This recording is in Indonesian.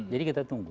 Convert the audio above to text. jadi kita tunggu